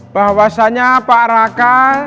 bahwasanya pak raka